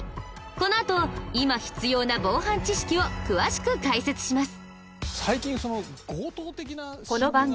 このあと今必要な防犯知識を詳しく解説します。